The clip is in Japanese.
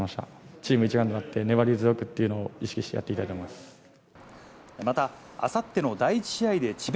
チーム一丸となって粘り強くというのを意識してやっていきたいとまた、あさっての第１試合で智弁